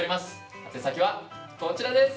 宛先はこちらです。